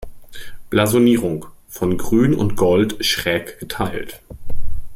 Blasonierung: „Von Grün und Gold schräg geteilt.